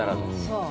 そう。